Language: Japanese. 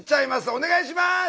お願いします！